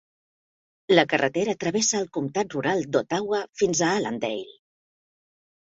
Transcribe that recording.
La carretera travessa el comtat rural d'Ottawa fins a Allendale.